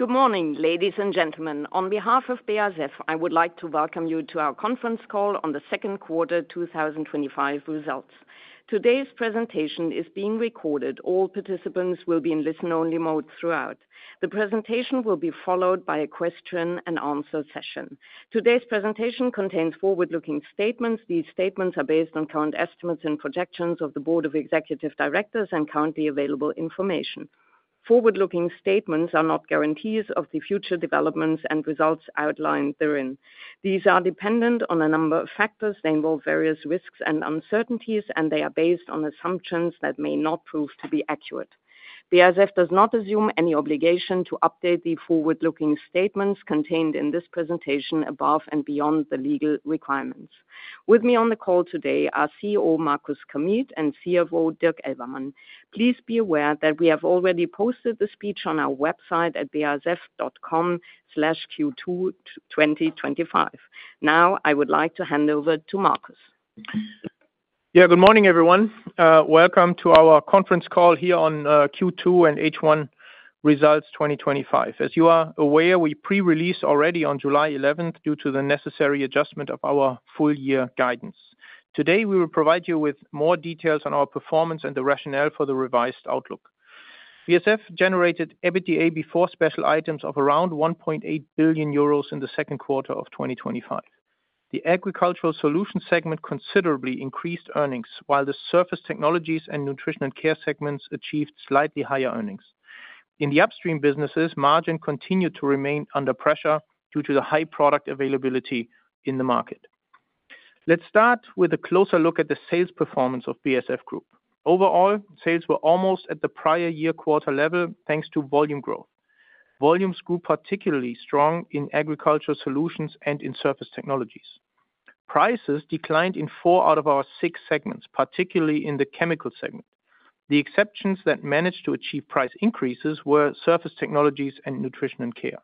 Good morning, ladies and gentlemen. On behalf of BASF, I would like to welcome you to our conference call on the second quarter 2025 results. Today's presentation is being recorded. All participants will be in listen-only mode throughout. The presentation will be followed by a question-and-answer session. Today's presentation contains forward-looking statements. These statements are based on current estimates and projections of the Board of Executive Directors and currently available information. Forward-looking statements are not guarantees of the future developments and results outlined therein. These are dependent on a number of factors. They involve various risks and uncertainties, and they are based on assumptions that may not prove to be accurate. BASF does not assume any obligation to update the forward-looking statements contained in this presentation above and beyond the legal requirements. With me on the call today are CEO Markus Kamieth and CFO Dirk Elvermann. Please be aware that we have already posted the speech on our website at basf.com/Q2 2025. Now, I would like to hand over to Markus. Yeah, good morning, everyone. Welcome to our conference call here on Q2 and H1 results 2025. As you are aware, we pre-released already on July 11th due to the necessary adjustment of our full-year guidance. Today, we will provide you with more details on our performance and the rationale for the revised outlook. BASF generated EBITDA before special items of around 1.8 billion euros in the second quarter of 2025. The Agricultural Solutions segment considerably increased earnings, while the Surface Technologies and Nutrition & Care segments achieved slightly higher earnings. In the upstream businesses, margin continued to remain under pressure due to the high product availability in the market. Let's start with a closer look at the sales performance of BASF Group. Overall, sales were almost at the prior year quarter level thanks to volume growth. Volumes grew particularly strong in Agricultural Solutions and in Surface Technologies. Prices declined in four out of our six segments, particularly in the Chemical segment. The exceptions that managed to achieve price increases were Surface Technologies and Nutrition & Care.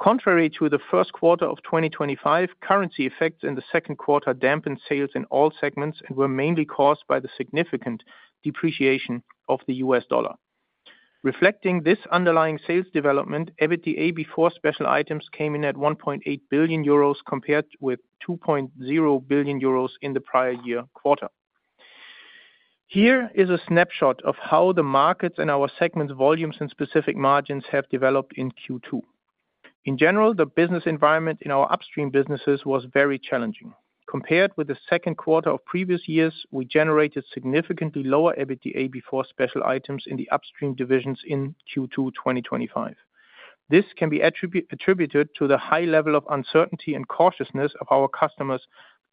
Contrary to the first quarter of 2025, currency effects in the second quarter dampened sales in all segments and were mainly caused by the significant depreciation of the U.S. dollar. Reflecting this underlying sales development, EBITDA before special items came in at 1.8 billion euros compared with 2.0 billion euros in the prior year quarter. Here is a snapshot of how the markets and our segments' volumes and specific margins have developed in Q2. In general, the business environment in our upstream businesses was very challenging. Compared with the second quarter of previous years, we generated significantly lower EBITDA before special items in the upstream divisions in Q2 2025. This can be attributed to the high level of uncertainty and cautiousness of our customers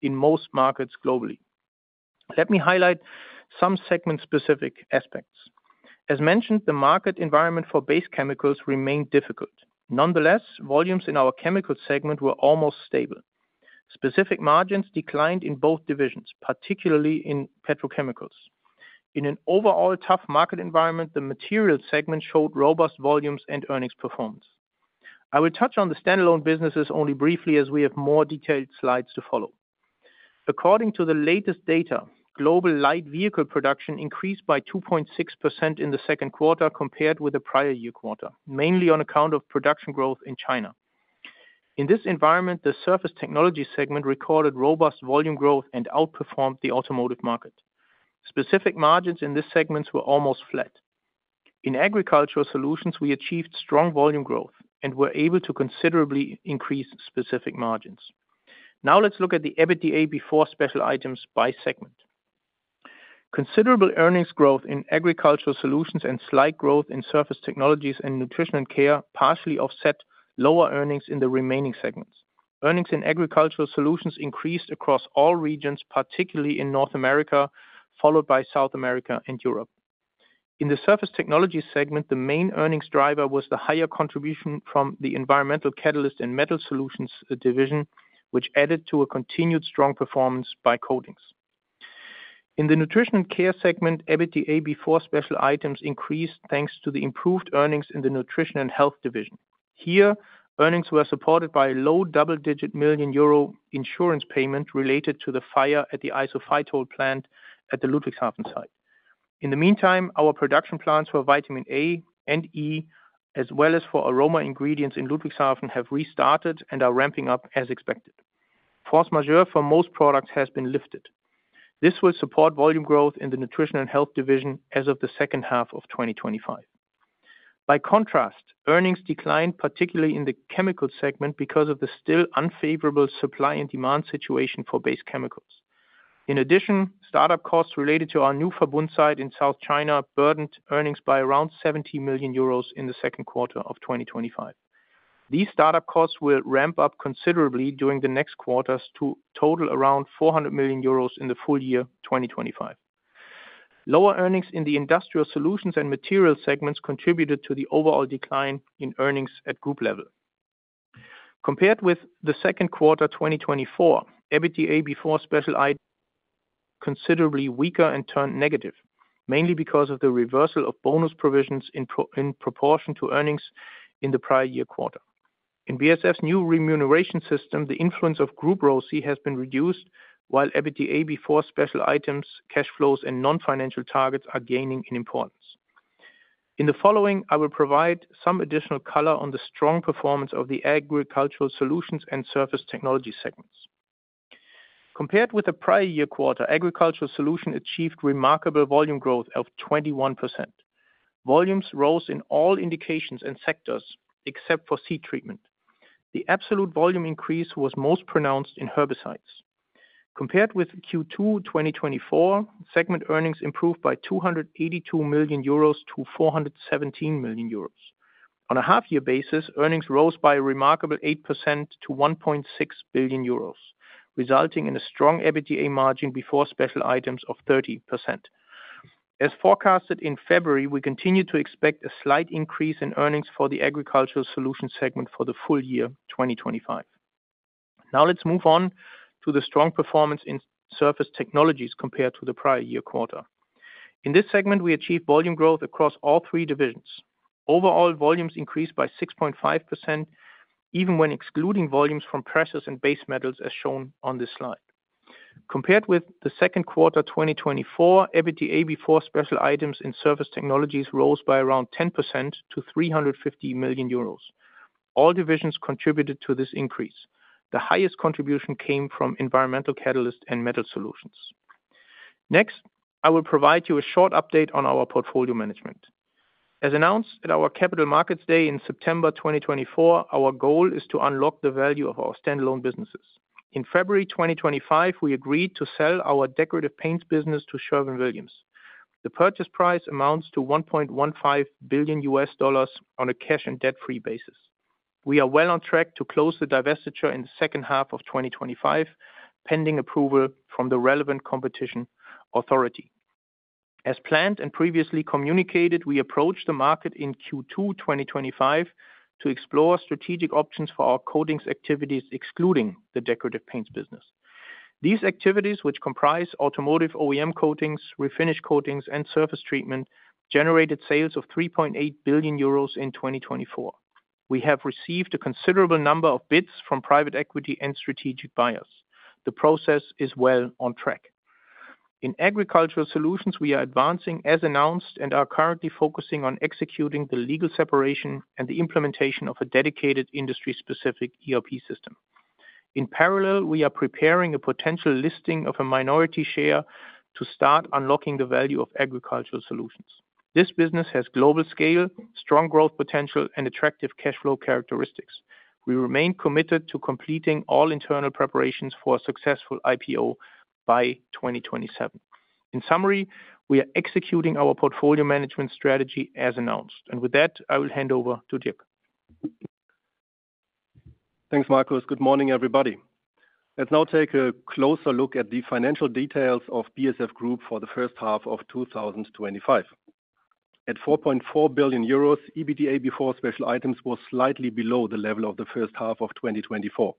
in most markets globally. Let me highlight some segment-specific aspects. As mentioned, the market environment for base chemicals remained difficult. Nonetheless, volumes in our Chemical segment were almost stable. Specific margins declined in both divisions, particularly in Petrochemicals. In an overall tough market environment, the Material segment showed robust volumes and earnings performance. I will touch on the standalone businesses only briefly as we have more detailed slides to follow. According to the latest data, global light vehicle production increased by 2.6% in the second quarter compared with the prior year quarter, mainly on account of production growth in China. In this environment, the Surface Technologies segment recorded robust volume growth and outperformed the automotive market. Specific margins in these segments were almost flat. In Agricultural Solutions, we achieved strong volume growth and were able to considerably increase specific margins. Now, let's look at the EBITDA before special items by segment. Considerable earnings growth in Agricultural Solutions and slight growth in Surface Technologies and Nutrition & Care partially offset lower earnings in the remaining segments. Earnings in Agricultural Solutions increased across all regions, particularly in North America, followed by South America and Europe. In the Surface Technologies segment, the main earnings driver was the higher contribution from the Environmental Catalysts and Metal Solutions division, which added to a continued strong performance by Coatings. In the Nutrition & Care segment, EBITDA before special items increased thanks to the improved earnings in the Nutrition and Health division. Here, earnings were supported by a low double-digit million EUR insurance payment related to the fire at the isophytol plant at the Ludwigshafen site. In the meantime, our production plans for vitamin A and E, as well as for aroma ingredients in Ludwigshafen, have restarted and are ramping up as expected. Force majeure for most products has been lifted. This will support volume growth in the Nutrition and Health division as of the second half of 2025. By contrast, earnings declined, particularly in the Chemicals segment, because of the still unfavorable supply and demand situation for base chemicals. In addition, startup costs related to our new Verbund site in South China burdened earnings by around 70 million euros in the second quarter of 2025. These startup costs will ramp up considerably during the next quarters to total around 400 million euros in the full year 2025. Lower earnings in the Industrial Solutions and Materials segments contributed to the overall decline in earnings at group level. Compared with the second quarter 2024, EBITDA before special items were considerably weaker and turned negative, mainly because of the reversal of bonus provisions in proportion to earnings in the prior year quarter. In BASF's new remuneration system, the influence of group ROSI has been reduced, while EBITDA before special items, cash flows, and non-financial targets are gaining in importance. In the following, I will provide some additional color on the strong performance of the Agricultural Solutions and Surface Technologies segments. Compared with the prior year quarter, Agricultural Solutions achieved remarkable volume growth of 21%. Volumes rose in all indications and sectors except for seed treatment. The absolute volume increase was most pronounced in herbicides. Compared with Q2 2024, segment earnings improved by 282 million euros to 417 million euros. On a half-year basis, earnings rose by a remarkable 8% to 1.6 billion euros, resulting in a strong EBITDA margin before special items of 30%. As forecasted in February, we continue to expect a slight increase in earnings for the Agricultural Solutions segment for the full year 2025. Now, let's move on to the strong performance in Surface Technologies compared to the prior year quarter. In this segment, we achieved volume growth across all three divisions. Overall, volumes increased by 6.5%. Even when excluding volumes from precious and base metals, as shown on this slide. Compared with the second quarter 2024, EBITDA before special items in Surface Technologies rose by around 10% to 350 million euros. All divisions contributed to this increase. The highest contribution came from Environmental Catalysts and Metal Solutions. Next, I will provide you a short update on our portfolio management. As announced at our Capital Markets Day in September 2024, our goal is to unlock the value of our standalone businesses. In February 2025, we agreed to sell our Decorative Paints business to Sherwin-Williams. The purchase price amounts to EUR 1.15 billion on a cash and debt-free basis. We are well on track to close the divestiture in the second half of 2025, pending approval from the relevant competition authority. As planned and previously communicated, we approached the market in Q2 2025 to explore strategic options for our coatings activities excluding the Decorative Paints business. These activities, which comprise Automotive OEM Coatings, Refinish Coatings, and Surface Treatment, generated sales of 3.8 billion euros in 2024. We have received a considerable number of bids from private equity and strategic buyers. The process is well on track. In Agricultural Solutions, we are advancing as announced and are currently focusing on executing the legal separation and the implementation of a dedicated industry-specific ERP system. In parallel, we are preparing a potential listing of a minority share to start unlocking the value of Agricultural Solutions. This business has global scale, strong growth potential, and attractive cash flow characteristics. We remain committed to completing all internal preparations for a successful IPO by 2027. In summary, we are executing our portfolio management strategy as announced. With that, I will hand over to Dirk. Thanks, Markus. Good morning, everybody. Let's now take a closer look at the financial details of BASF Group for the first half of 2025. At 4.4 billion euros, EBITDA before special items was slightly below the level of the first half of 2024.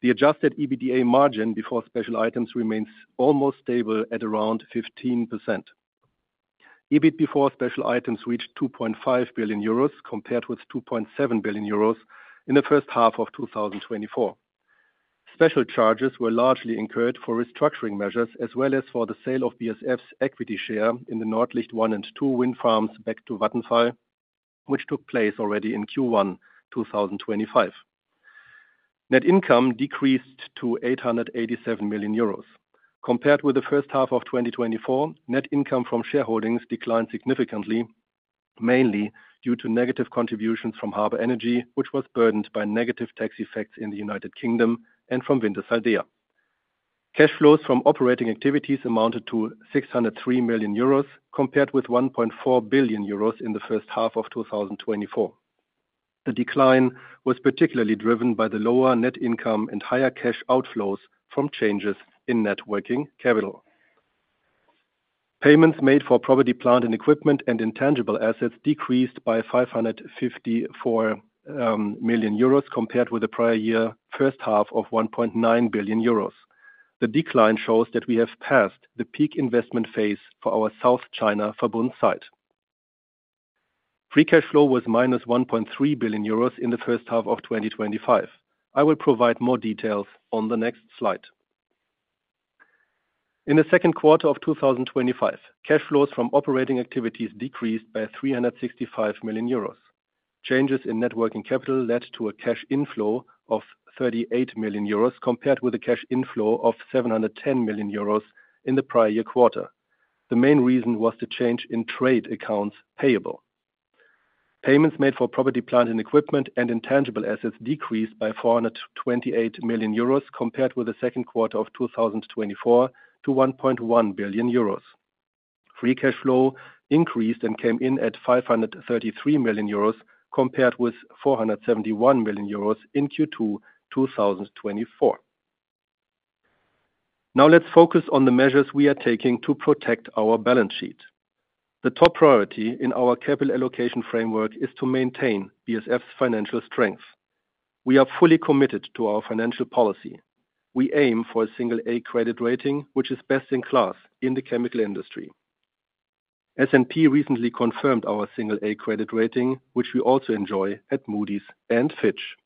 The adjusted EBITDA margin before special items remain almost stable at around 15%. EBITDA before special items reached 2.5 billion euros compared with 2.7 billion euros in the first half of 2024. Special charges were largely incurred for restructuring measures as well as for the sale of BASF's equity share in the Nordlicht 1 and 2 wind farms back to Vattenfall, which took place already in Q1 2025. Net income decreased to 887 million euros. Compared with the first half of 2024, net income from shareholdings declined significantly, mainly due to negative contributions from Harbor Energy, which was burdened by negative tax effects in the U.K., and from Wintershall Dea. Cash flows from operating activities amounted to 603 million euros, compared with 1.4 billion euros in the first half of 2024. The decline was particularly driven by the lower net income and higher cash outflows from changes in working capital. Payments made for property, plant and equipment, and intangible assets decreased by 554 million euros compared with the prior year first half of 1.9 billion euros. The decline shows that we have passed the peak investment phase for our South China Verbund site. Free cash flow was 1.3 billion euros in the first half of 2025. I will provide more details on the next slide. In the second quarter of 2025, cash flows from operating activities decreased by 365 million euros. Changes in working capital led to a cash inflow of 38 million euros compared with a cash inflow of 710 million euros in the prior year quarter. The main reason was the change in trade accounts payable. Payments made for property, plant and equipment, and intangible assets decreased by 428 million euros compared with the second quarter of 2024 to 1.1 billion euros. Free cash flow increased and came in at 533 million euros compared with 471 million euros in Q2 2024. Now, let's focus on the measures we are taking to protect our balance sheet. The top priority in our capital allocation framework is to maintain BASF's financial strength. We are fully committed to our financial policy. We aim for a single A credit rating, which is best in class in the chemical industry. S&P recently confirmed our single A credit rating, which we also enjoy at Moody's and Fitch.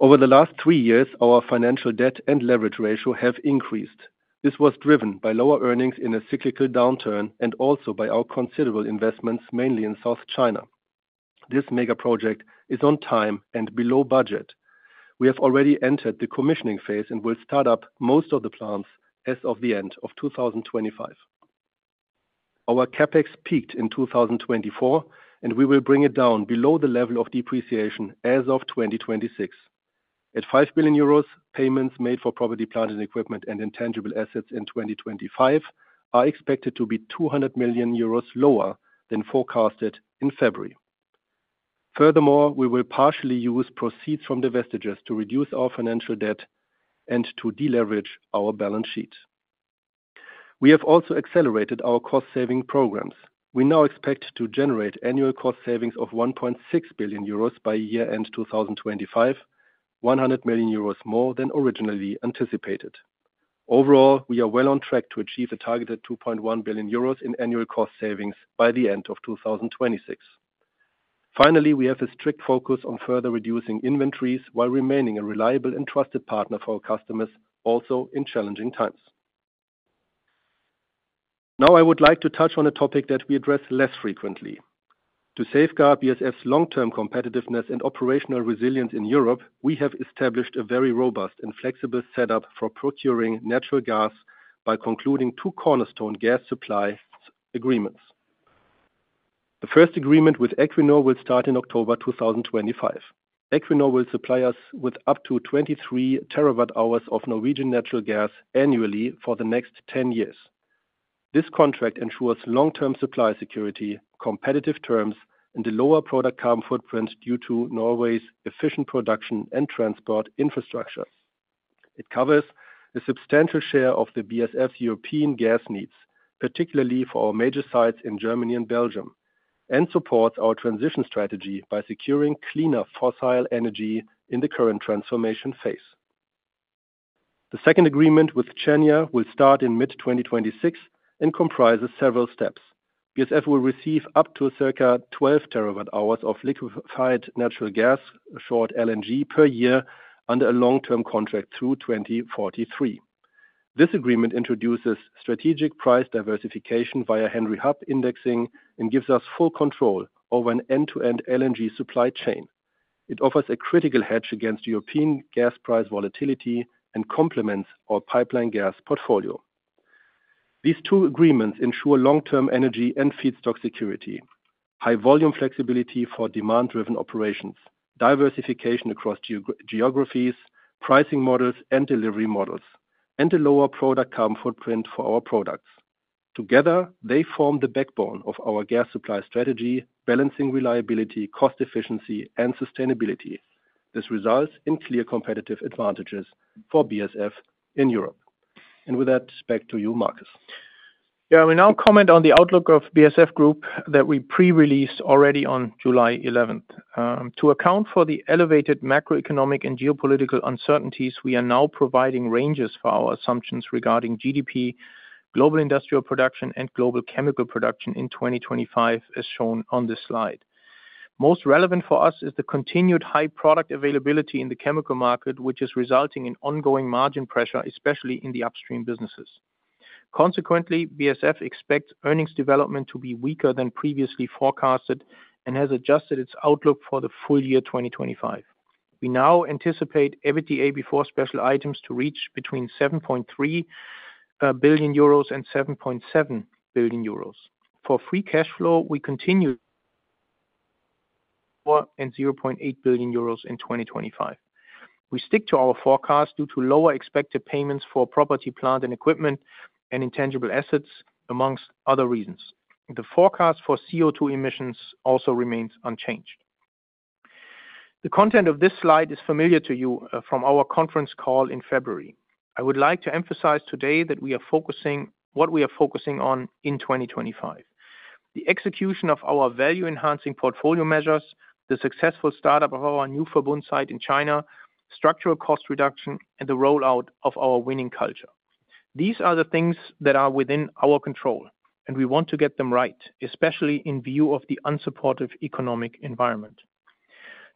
Over the last three years, our financial debt and leverage ratio have increased. This was driven by lower earnings in a cyclical downturn and also by our considerable investments, mainly in South China. This mega project is on time and below budget. We have already entered the commissioning phase and will start up most of the plants as of the end of 2025. Our CapEx peaked in 2024, and we will bring it down below the level of depreciation as of 2026. At 5 billion euros, payments made for property, plant and equipment, and intangible assets in 2025 are expected to be 200 million euros lower than forecasted in February. Furthermore, we will partially use proceeds from divestitures to reduce our financial debt and to deleverage our balance sheet. We have also accelerated our cost-saving programs. We now expect to generate annual cost savings of 1.6 billion euros by year-end 2025, 100 million euros more than originally anticipated. Overall, we are well on track to achieve a targeted 2.1 billion euros in annual cost savings by the end of 2026. Finally, we have a strict focus on further reducing inventories while remaining a reliable and trusted partner for our customers, also in challenging times. Now, I would like to touch on a topic that we address less frequently. To safeguard BASF's long-term competitiveness and operational resilience in Europe, we have established a very robust and flexible setup for procuring natural gas by concluding two cornerstone gas supply agreements. The first agreement with Equinor will start in October 2025. Equinor will supply us with up to 23 terawatt-hours of Norwegian natural gas annually for the next 10 years. This contract ensures long-term supply security, competitive terms, and a lower product carbon footprint due to Norway's efficient production and transport infrastructure. It covers a substantial share of BASF's European gas needs, particularly for our major sites in Germany and Belgium, and supports our transition strategy by securing cleaner fossil energy in the current transformation phase. The second agreement with Cheniere will start in mid-2026 and comprises several steps. BASF will receive up to circa 12 terawatt-hours of liquefied natural gas, short LNG, per year under a long-term contract through 2043. This agreement introduces strategic price diversification via Henry Hub indexing and gives us full control over an end-to-end LNG supply chain. It offers a critical hedge against European gas price volatility and complements our pipeline gas portfolio. These two agreements ensure long-term energy and feedstock security, high volume flexibility for demand-driven operations, diversification across geographies, pricing models, and delivery models, and a lower product carbon footprint for our products. Together, they form the backbone of our gas supply strategy, balancing reliability, cost efficiency, and sustainability. This results in clear competitive advantages for BASF in Europe. With that, back to you, Markus. Yeah, I will now comment on the outlook of BASF Group that we pre-released already on July 11. To account for the elevated macroeconomic and geopolitical uncertainties, we are now providing ranges for our assumptions regarding GDP, global industrial production, and global chemical production in 2025, as shown on this slide. Most relevant for us is the continued high product availability in the chemical market, which is resulting in ongoing margin pressure, especially in the upstream businesses. Consequently, BASF expects earnings development to be weaker than previously forecasted and has adjusted its outlook for the full year 2025. We now anticipate EBITDA before special items to reach between 7.3 billion euros and 7.7 billion euros. For free cash flow, we continue to expect a figure of between EUR 0.4 billion and 0.8 billion euros in 2025. We stick to our forecast due to lower expected payments for property, plant and equipment, and intangible assets, amongst other reasons. The forecast for CO2 emissions also remains unchanged. The content of this slide is familiar to you from our conference call in February. I would like to emphasize today that we are focusing on what we are focusing on in 2025: the execution of our value-enhancing portfolio measures, the successful startup of our new Verbund site in China, structural cost reduction, and the rollout of our winning culture. These are the things that are within our control, and we want to get them right, especially in view of the unsupportive economic environment.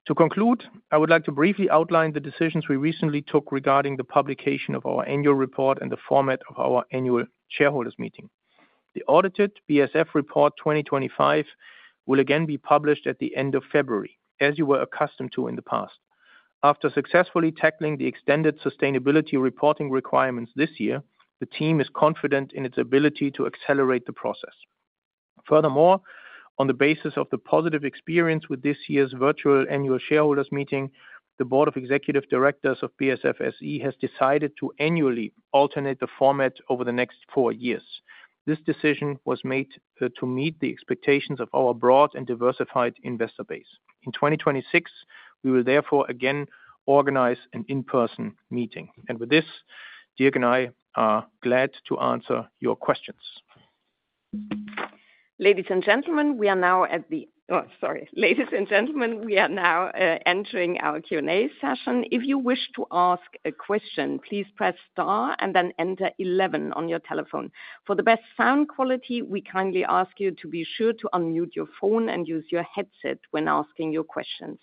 To conclude, I would like to briefly outline the decisions we recently took regarding the publication of our annual report and the format of our annual shareholders meeting. The audited BASF Report 2025 will again be published at the end of February, as you were accustomed to in the past. After successfully tackling the extended sustainability reporting requirements this year, the team is confident in its ability to accelerate the process. Furthermore, on the basis of the positive experience with this year's virtual annual shareholders meeting, the Board of Executive Directors of BASF SE has decided to annually alternate the format over the next four years. This decision was made to meet the expectations of our broad and diversified investor base. In 2026, we will therefore again organize an in-person meeting. With this, Dirk and I are glad to answer your questions. Ladies and gentlemen, we are now at the—sorry, ladies and gentlemen, we are now entering our Q&A session. If you wish to ask a question, please press star and then enter 11 on your telephone. For the best sound quality, we kindly ask you to be sure to unmute your phone and use your headset when asking your questions.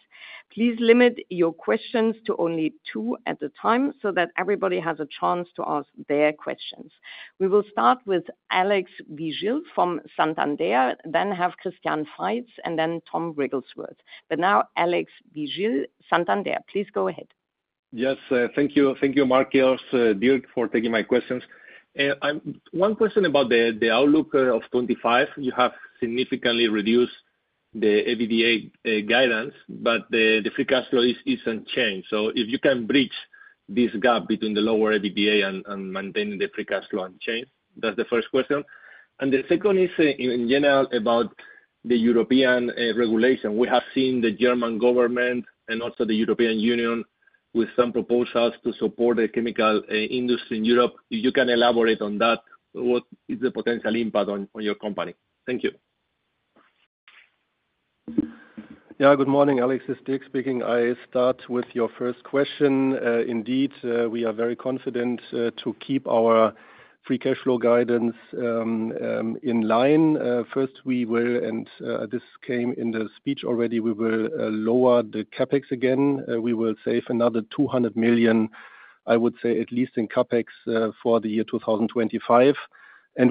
Please limit your questions to only two at a time so that everybody has a chance to ask their questions. We will start with Alex Vigil from Santander, then have Christian Faitz, and then Tom Wrigglesworth. Now, Alex Vigil, Santander, please go ahead. Yes, thank you, Markus, Dirk, for taking my questions. One question about the outlook of 2025: you have significantly reduced the EBITDA guidance, but the free cash flow is unchanged. If you can bridge this gap between the lower EBITDA and maintaining the free cash flow unchanged, that is the first question. The second is, in general, about the European regulation. We have seen the German government and also the European Union with some proposals to support the chemical industry in Europe. If you can elaborate on that, what is the potential impact on your company? Thank you. Yeah, good morning, Alex, it's Dirk speaking. I start with your first question. Indeed, we are very confident to keep our free cash flow guidance in line. First, we will—and this came in the speech already—we will lower the CapEx again. We will save another 200 million, I would say at least in CapEx for the year 2025.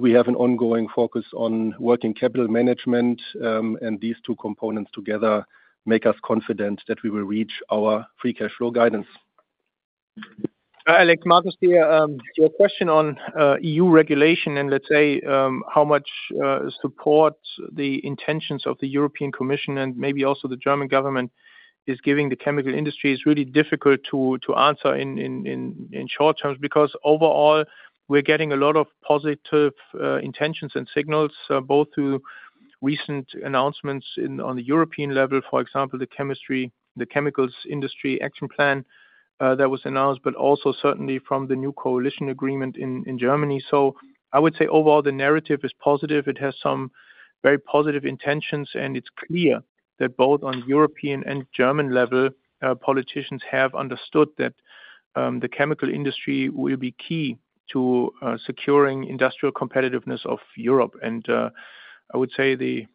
We have an ongoing focus on working capital management, and these two components together make us confident that we will reach our free cash flow guidance. Alex, Markus, your question on EU regulation and, let's say, how much support the intentions of the European Commission and maybe also the German government is giving the chemical industry is really difficult to answer in short terms because overall, we're getting a lot of positive intentions and signals, both through recent announcements on the European level, for example, the chemicals industry action plan that was announced, but also certainly from the new coalition agreement in Germany. I would say overall, the narrative is positive. It has some very positive intentions, and it's clear that both on European and German level, politicians have understood that. The chemical industry will be key to securing industrial competitiveness of Europe. I would say the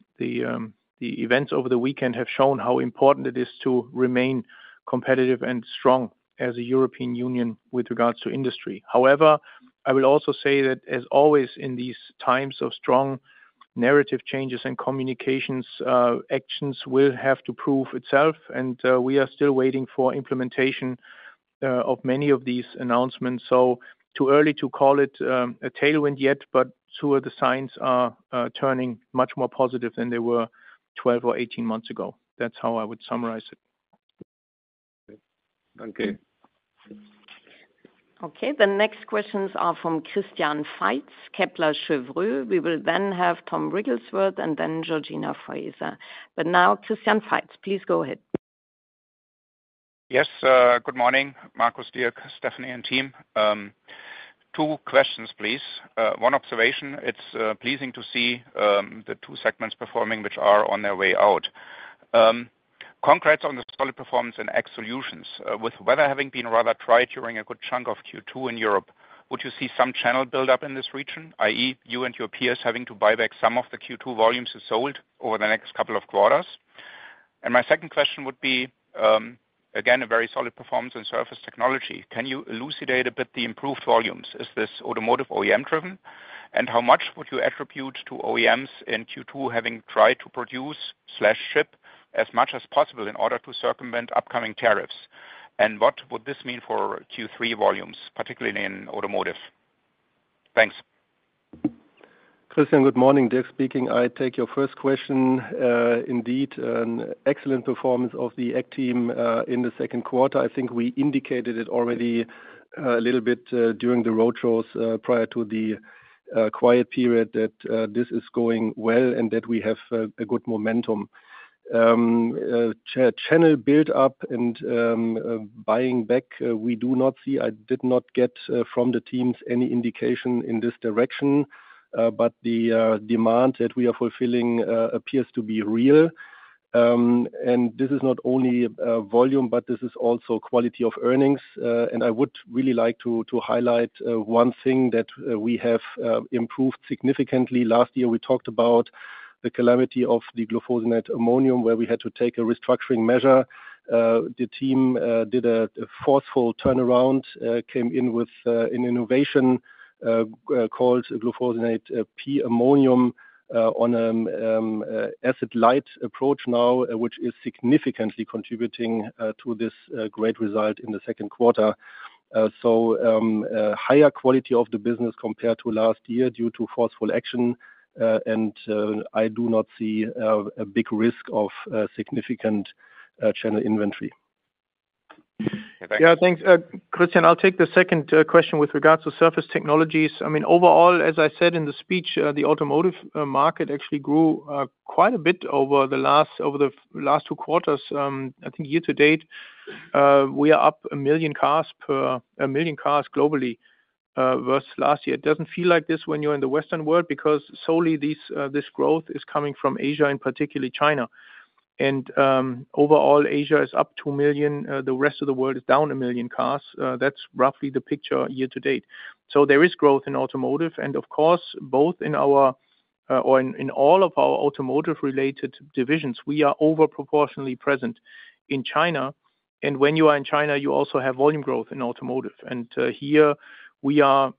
events over the weekend have shown how important it is to remain competitive and strong as a European Union with regards to industry. However, I will also say that, as always in these times of strong narrative changes and communications, actions will have to prove itself, and we are still waiting for implementation of many of these announcements. Too early to call it a tailwind yet, but certainly the signs are turning much more positive than they were 12 or 18 months ago. That's how I would summarize it. Okay. Okay, the next questions are from Christian Faitz, Kepler Cheuvreux. We will then have Tom Wrigglesworth and then Georgina Fraser. Now, Christian Faitz, please go ahead. Yes, good morning, Markus, Dirk, Stefanie, and team. Two questions, please. One observation: it's pleasing to see the two segments performing, which are on their way out. Congrats on the solid performance in X solutions. With weather having been rather dry during a good chunk of Q2 in Europe, would you see some channel buildup in this region, i.e., you and your peers having to buy back some of the Q2 volumes you sold over the next couple of quarters? My second question would be, again, a very solid performance in Surface Technologies. Can you elucidate a bit the improved volumes? Is this automotive OEM-driven? How much would you attribute to OEMs in Q2 having tried to produce/ship as much as possible in order to circumvent upcoming tariffs? What would this mean for Q3 volumes, particularly in automotive? Thanks. Christian, good morning, Dirk speaking. I take your first question. Indeed, an excellent performance of the Eck team in the second quarter. I think we indicated it already a little bit during the roadshows prior to the quiet period that this is going well and that we have a good momentum. Channel buildup and buying back, we do not see. I did not get from the teams any indication in this direction, but the demand that we are fulfilling appears to be real. This is not only volume, but this is also quality of earnings. I would really like to highlight one thing that we have improved significantly. Last year, we talked about the calamity of the glufosinate ammonium, where we had to take a restructuring measure. The team did a forceful turnaround, came in with an innovation called Glufosinate-P-ammonium on an acid-light approach now, which is significantly contributing to this great result in the second quarter. Higher quality of the business compared to last year due to forceful action, and I do not see a big risk of significant channel inventory. Yeah, thanks. Yeah, thanks. Christian, I'll take the second question with regards to Surface Technologies. I mean, overall, as I said in the speech, the automotive market actually grew quite a bit over the last two quarters. I think year to date, we are up a million cars globally. Versus last year, it doesn't feel like this when you're in the Western world because solely this growth is coming from Asia, in particular China. And overall, Asia is up 2 million. The rest of the world is down a million cars. That's roughly the picture year to date. There is growth in automotive. Of course, both in our, or in all of our automotive-related divisions, we are over proportionately present in China. When you are in China, you also have volume growth in automotive. Here, we are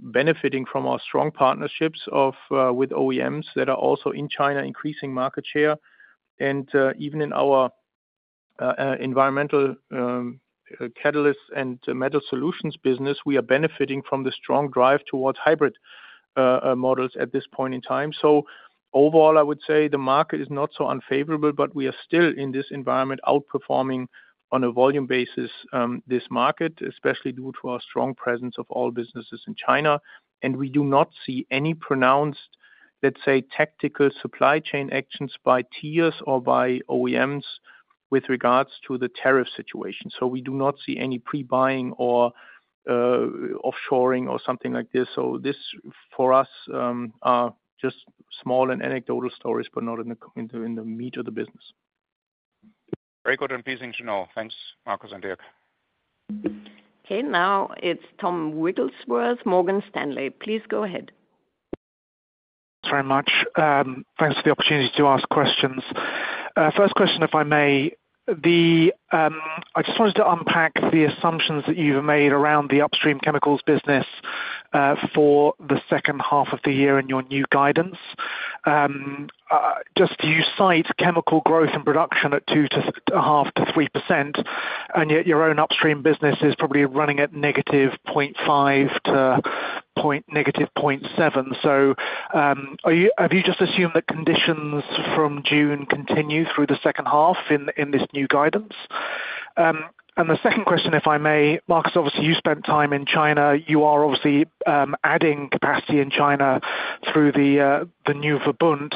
benefiting from our strong partnerships with OEMs that are also in China, increasing market share. Even in our Environmental Catalysts and Metal Solutions business, we are benefiting from the strong drive towards hybrid models at this point in time. Overall, I would say the market is not so unfavorable, but we are still in this environment outperforming on a volume basis this market, especially due to our strong presence of all businesses in China. We do not see any pronounced, let's say, tactical supply chain actions by tiers or by OEMs with regards to the tariff situation. We do not see any pre-buying or offshoring or something like this. This, for us, are just small and anecdotal stories, but not in the meat of the business. Very good and pleasing to know. Thanks, Markus and Dirk. Okay, now it's Tom Wigglesworth, Morgan Stanley. Please go ahead. Thanks very much. Thanks for the opportunity to ask questions. First question, if I may. I just wanted to unpack the assumptions that you've made around the upstream chemicals business. For the second half of the year in your new guidance. Just you cite chemical growth and production at 2.5%-3%, and yet your own upstream business is probably running at -0.5% to -0.7%. Have you just assumed that conditions from June continue through the second half in this new guidance? The second question, if I may, Markus, obviously, you spent time in China. You are obviously adding capacity in China through the new Verbund.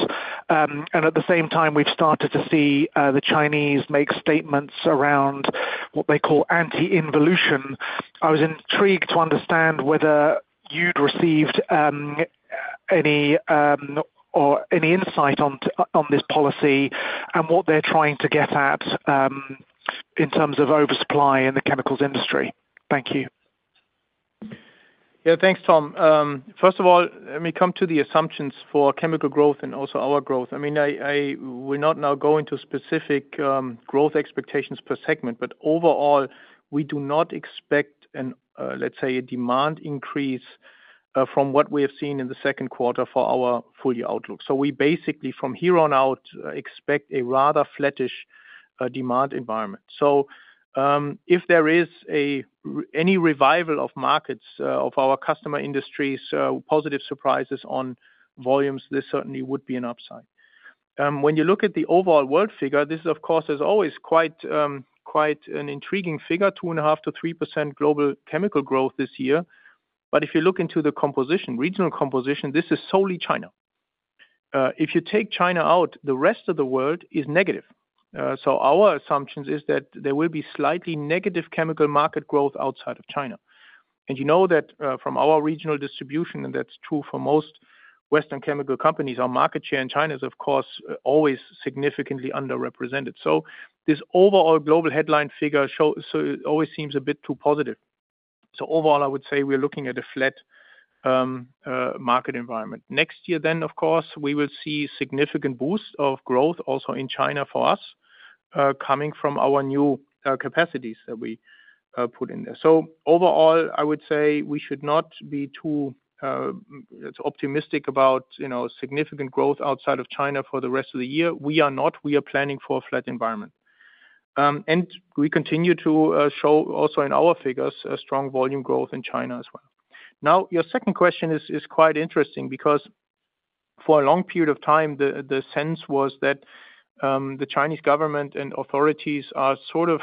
At the same time, we've started to see the Chinese make statements around what they call anti-involution. I was intrigued to understand whether you'd received any insight on this policy and what they're trying to get at in terms of oversupply in the chemicals industry. Thank you. Yeah, thanks, Tom. First of all, let me come to the assumptions for chemical growth and also our growth. I mean, we're not now going to specific growth expectations per segment, but overall, we do not expect, let's say, a demand increase from what we have seen in the second quarter for our full-year outlook. We basically, from here on out, expect a rather flattish demand environment. If there is any revival of markets of our customer industries, positive surprises on volumes, this certainly would be an upside. When you look at the overall world figure, this, of course, is always quite an intriguing figure, 2.5-3% global chemical growth this year. If you look into the composition, regional composition, this is solely China. If you take China out, the rest of the world is negative. Our assumption is that there will be slightly negative chemical market growth outside of China. You know that from our regional distribution, and that's true for most Western chemical companies, our market share in China is, of course, always significantly underrepresented. This overall global headline figure always seems a bit too positive. Overall, I would say we're looking at a flat market environment. Next year then, of course, we will see significant boost of growth also in China for us, coming from our new capacities that we put in there. Overall, I would say we should not be too optimistic about significant growth outside of China for the rest of the year. We are not. We are planning for a flat environment. We continue to show also in our figures a strong volume growth in China as well. Now, your second question is quite interesting because for a long period of time, the sense was that the Chinese government and authorities are sort of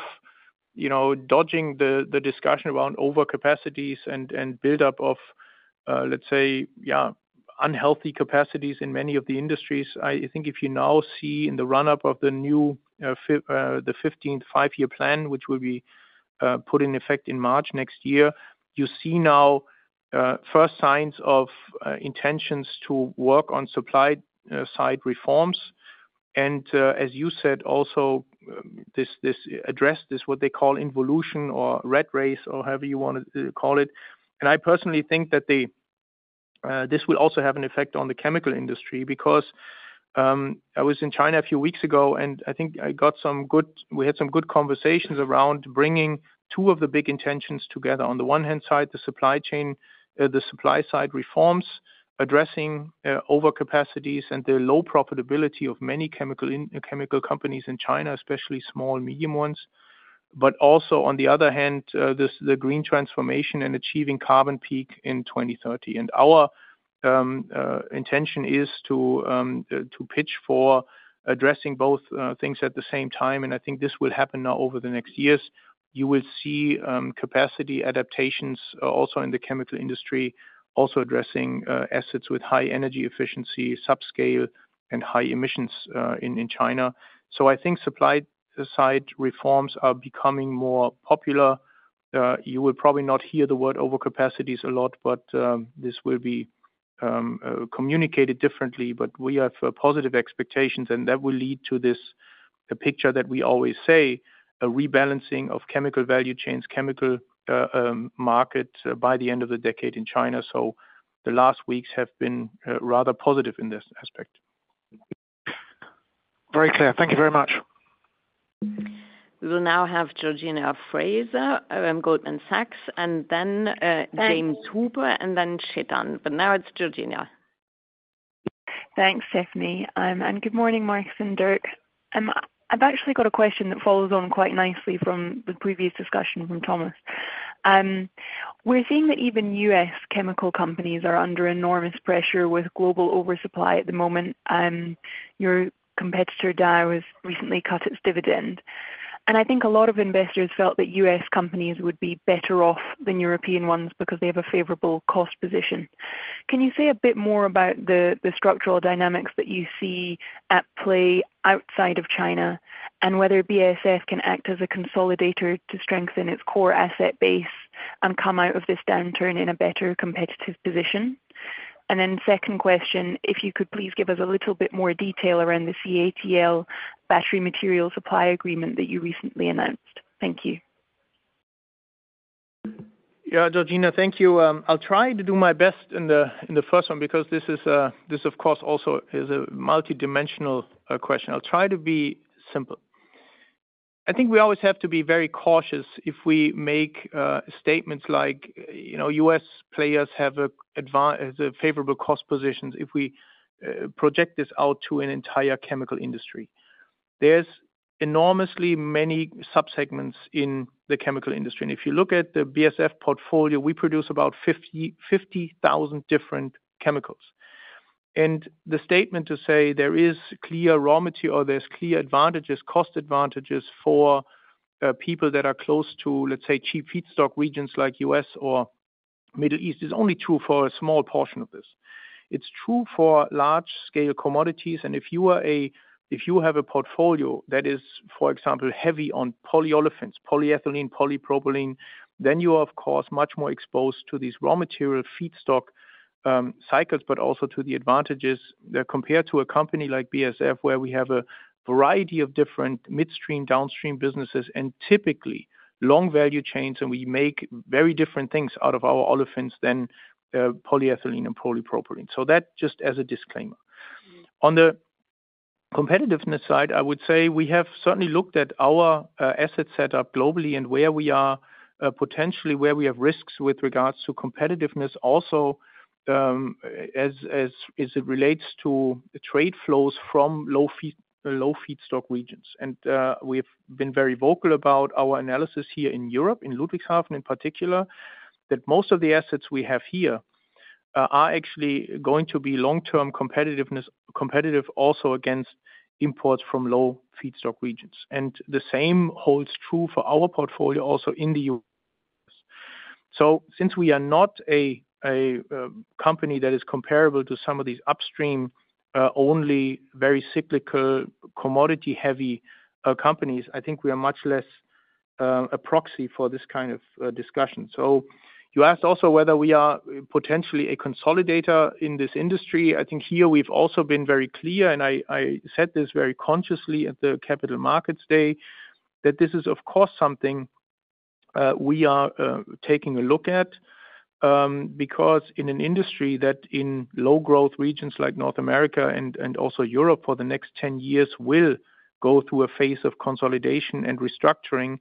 dodging the discussion around overcapacities and buildup of, let's say, yeah, unhealthy capacities in many of the industries. I think if you now see in the run-up of the 15th five-year plan, which will be put in effect in March next year, you see now first signs of intentions to work on supply-side reforms. As you said, also, this addressed what they call involution or red race or however you want to call it. I personally think that this will also have an effect on the chemical industry because I was in China a few weeks ago, and I think I got some good—we had some good conversations around bringing two of the big intentions together. On the one hand side, the supply chain, the supply-side reforms, addressing overcapacities and the low profitability of many chemical companies in China, especially small and medium ones. Also, on the other hand, the green transformation and achieving carbon peak in 2030. Our intention is to pitch for addressing both things at the same time. I think this will happen now over the next years. You will see capacity adaptations also in the chemical industry, also addressing assets with high energy efficiency, subscale, and high emissions in China. I think supply-side reforms are becoming more popular. You will probably not hear the word overcapacities a lot, but this will be communicated differently. We have positive expectations, and that will lead to this picture that we always say, a rebalancing of chemical value chains, chemical market by the end of the decade in China, so the last weeks have been rather positive in this aspect. Very clear. Thank you very much. We will now have Georgina Fraser, Goldman Sachs, and then James Hooper, and then Chetan. But now it's Georgina. Thanks, Stefanie. And good morning, Markus and Dirk. I've actually got a question that follows on quite nicely from the previous discussion from Thomas. We're seeing that even U.S. chemical companies are under enormous pressure with global oversupply at the moment. Your competitor, Dow, has recently cut its dividend. And I think a lot of investors felt that U.S. companies would be better off than European ones because they have a favorable cost position. Can you say a bit more about the structural dynamics that you see at play outside of China and whether BASF can act as a consolidator to strengthen its core asset base and come out of this downturn in a better competitive position? And then second question, if you could please give us a little bit more detail around the CATL battery material supply agreement that you recently announced. Thank you. Yeah, Georgina, thank you. I'll try to do my best in the first one because this, of course, also is a multidimensional question. I'll try to be simple. I think we always have to be very cautious if we make statements like, U.S. players have a favorable cost position if we project this out to an entire chemical industry. There are enormously many subsegments in the chemical industry. If you look at the BASF portfolio, we produce about 50,000 different chemicals. The statement to say there is clear raw material or there are clear cost advantages for people that are close to, let's say, cheap feedstock regions like U.S. or Middle East is only true for a small portion of this. It's true for large-scale commodities. If you have a portfolio that is, for example, heavy on polyolefins, polyethylene, polypropylene, then you are, of course, much more exposed to these raw material feedstock cycles, but also to the advantages compared to a company like BASF, where we have a variety of different midstream, downstream businesses and typically long value chains, and we make very different things out of our olefins than polyethylene and polypropylene. That just as a disclaimer. On the competitiveness side, I would say we have certainly looked at our asset setup globally and where we are potentially, where we have risks with regards to competitiveness, also as it relates to trade flows from low feedstock regions. We've been very vocal about our analysis here in Europe, in Ludwigshafen in particular, that most of the assets we have here are actually going to be long-term competitive, also against imports from low feedstock regions. The same holds true for our portfolio also in the U.S.. Since we are not a company that is comparable to some of these upstream-only, very cyclical commodity-heavy companies, I think we are much less a proxy for this kind of discussion. You asked also whether we are potentially a consolidator in this industry. I think here we've also been very clear, and I said this very consciously at the Capital Markets Day, that this is, of course, something we are taking a look at. In an industry that in low-growth regions like North America and also Europe for the next 10 years will go through a phase of consolidation and restructuring,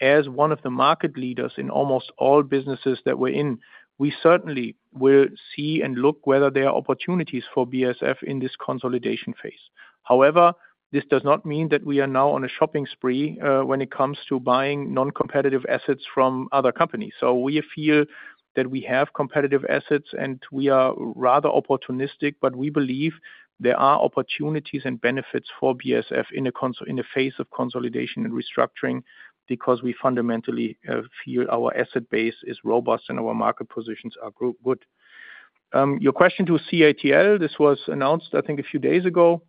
as one of the market leaders in almost all businesses that we're in, we certainly will see and look whether there are opportunities for BASF in this consolidation phase. However, this does not mean that we are now on a shopping spree when it comes to buying non-competitive assets from other companies. We feel that we have competitive assets and we are rather opportunistic, but we believe there are opportunities and benefits for BASF in a phase of consolidation and restructuring because we fundamentally feel our asset base is robust and our market positions are good. Your question to CATL, this was announced, I think, a few days ago.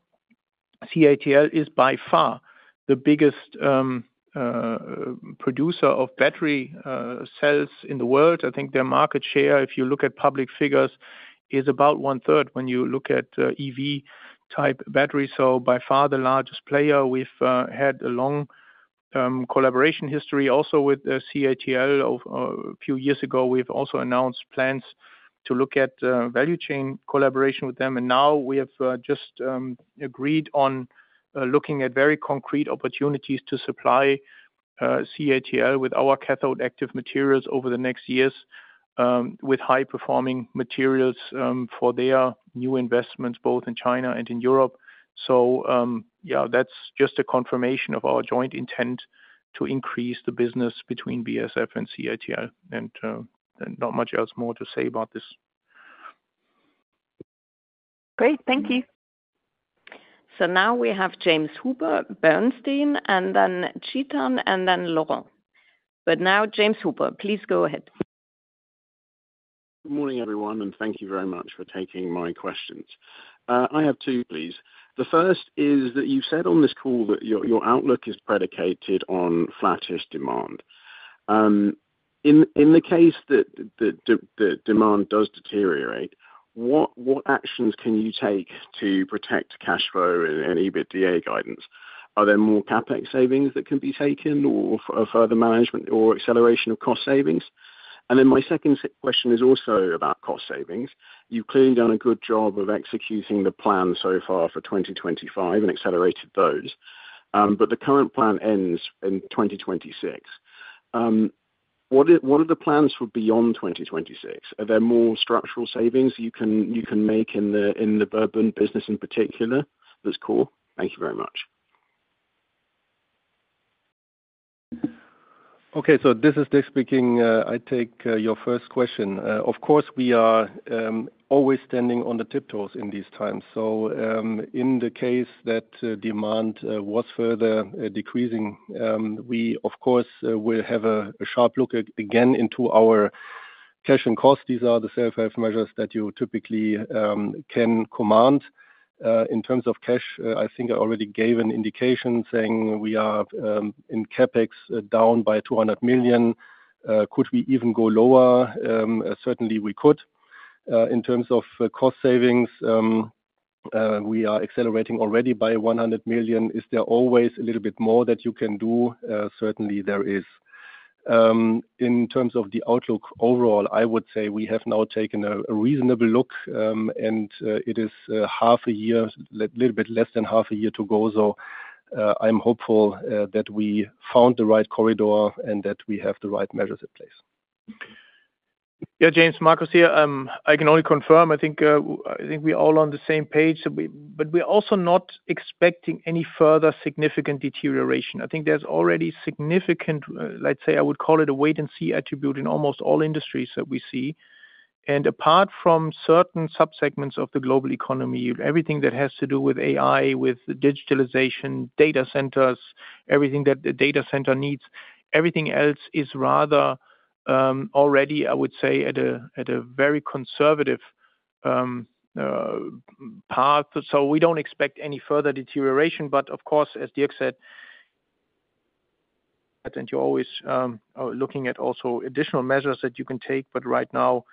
CATL is by far the biggest producer of battery cells in the world. I think their market share, if you look at public figures, is about one-third when you look at EV-type batteries. By far the largest player. We've had a long collaboration history also with CATL. A few years ago, we've also announced plans to look at value chain collaboration with them. Now, we have just agreed on looking at very concrete opportunities to supply CATL with our cathode-active materials over the next years, with high-performing materials for their new investments, both in China and in Europe. That is just a confirmation of our joint intent to increase the business between BASF and CATL. Not much else more to say about this. Great. Thank you. Now we have James Hooper, Bernstein, and then Chetan, and then Laurent. Now James Hooper, please go ahead. Good morning, everyone, and thank you very much for taking my questions. I have two, please. The first is that you said on this call that your outlook is predicated on flattish demand. In the case that demand does deteriorate, what actions can you take to protect cash flow and EBITDA guidance? Are there more CapEx savings that can be taken or further management or acceleration of cost savings? My second question is also about cost savings. You've clearly done a good job of executing the plan so far for 2025 and accelerated those. The current plan ends in 2026. What are the plans for beyond 2026? Are there more structural savings you can make in the Borbon business in particular? That's cool. Thank you very much. Okay, so this is Dirk speaking. I take your first question. Of course, we are always standing on the tiptoes in these times. In the case that demand was further decreasing, we, of course, will have a sharp look again into our cash and cost. These are the self-help measures that you typically can command. In terms of cash, I think I already gave an indication saying we are in CapEx down by 200 million. Could we even go lower? Certainly, we could. In terms of cost savings, we are accelerating already by 100 million. Is there always a little bit more that you can do? Certainly, there is. In terms of the outlook overall, I would say we have now taken a reasonable look, and it is half a year, a little bit less than half a year to go. I am hopeful that we found the right corridor and that we have the right measures in place. Yeah. James, Marcus here. I can only confirm. I think we're all on the same page, but we're also not expecting any further significant deterioration. I think there's already significant, let's say I would call it a wait-and-see attribute in almost all industries that we see. Apart from certain subsegments of the global economy, everything that has to do with AI, with digitalization, data centers, everything that the data center needs, everything else is rather. Already, I would say, at a very conservative path. We do not expect any further deterioration. Of course, as Dirk said, you're always looking at also additional measures that you can take. Right now,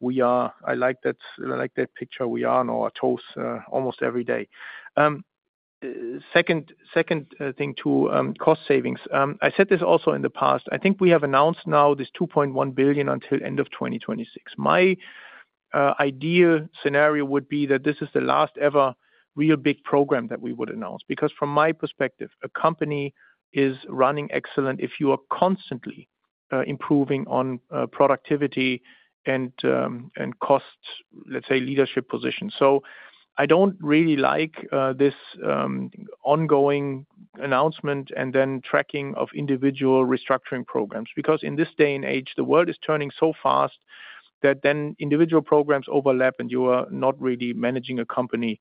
we are—I like that picture—we are on our toes almost every day. Second thing to cost savings. I said this also in the past. I think we have announced now this 2.1 billion until end of 2026. My ideal scenario would be that this is the last ever real big program that we would announce because from my perspective, a company is running excellent if you are constantly improving on productivity and cost, let's say, leadership positions. I do not really like this ongoing announcement and then tracking of individual restructuring programs because in this day and age, the world is turning so fast that then individual programs overlap and you are not really managing a company